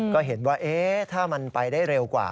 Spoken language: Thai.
ก็เห็นว่าถ้ามันไปได้เร็วกว่า